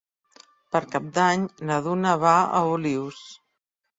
Per Cap d'Any na Duna va a Olius.